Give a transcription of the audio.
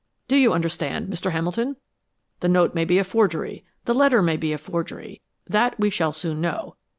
Do you understand, Mr. Hamilton? The note may be a forgery, the letter may be a forgery; that we shall soon know.